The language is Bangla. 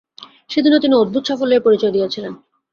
সেদিনও তিনি অদ্ভুত সাফল্যের পরিচয় দিয়াছিলেন।